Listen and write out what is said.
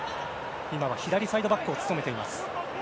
今は左サイドバックを務めています。